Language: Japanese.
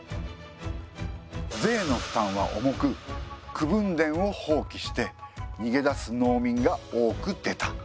税の負担は重く口分田をほうきして逃げ出す農民が多く出た。